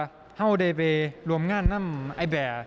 ว่าเข้าได้ไปรวมงานนั่งไอ้แบ่